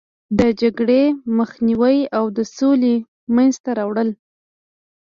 د جګړې مخنیوی او د سولې منځته راوړل.